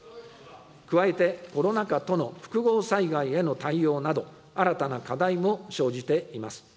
加えてコロナ禍との複合災害への対応など、新たな課題も生じています。